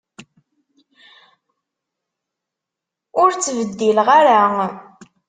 Ur ttebeddileɣ ara.